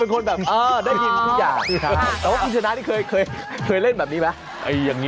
คนสุดท้ายเลย